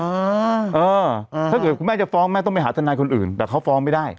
เออถ้าเกิดคุณแม่จะฟ้องแม่ต้องไปหาทนายคนอื่นแต่เขาฟ้องไม่ได้